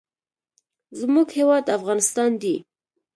زموږ هیواد افغانستان دی.